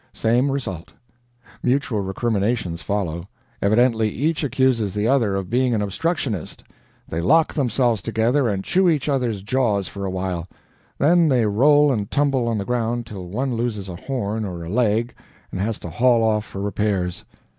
Same result. Mutual recriminations follow. Evidently each accuses the other of being an obstructionist. They lock themselves together and chew each other's jaws for a while; then they roll and tumble on the ground till one loses a horn or a leg and has to haul off for repairs.